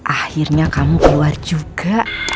akhirnya kamu keluar juga